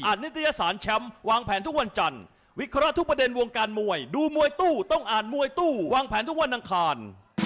นิตยสารแชมป์วางแผนทุกวันจันทร์วิเคราะห์ทุกประเด็นวงการมวยดูมวยตู้ต้องอ่านมวยตู้วางแผนทุกวันอังคาร